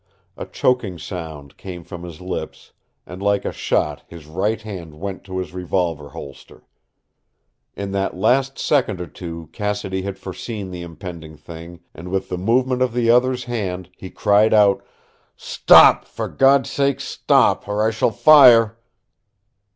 A choking sound came from his lips, and like a shot his right hand went to his revolver holster. In that last second or two Cassidy had foreseen the impending thing, and with the movement of the other's hand he cried out: "Stop! For God's sake stop or I shall fire!"